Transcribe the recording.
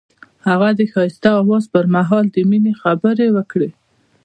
هغه د ښایسته اواز پر مهال د مینې خبرې وکړې.